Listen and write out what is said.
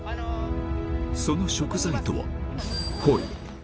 その食材とは、コイ。